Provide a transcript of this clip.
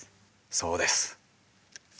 そうです。